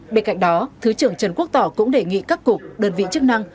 bên cạnh đó thứ trưởng trần quốc tỏ cũng đề nghị các cục đơn vị chức năng